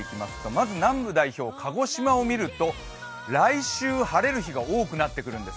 まず南部代表、鹿児島を見ると来週、晴れる日が多くなってくるんです。